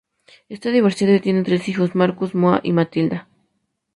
Está divorciado y tiene tres hijos: Marcus, Moa y Matilda.